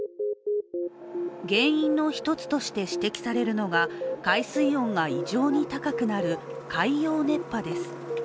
原因の一つとして指摘されるのが、海水温が異常に高くなる海洋熱波です。